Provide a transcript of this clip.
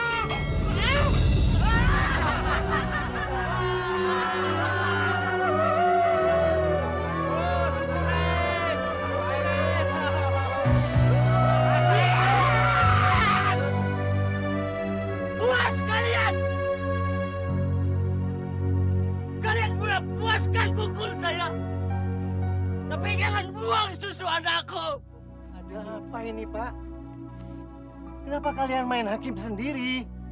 kenapa kalian main hakim sendiri